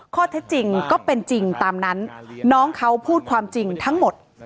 ข้อเท็จจริงก็เป็นจริงตามนั้นน้องเขาพูดความจริงทั้งหมด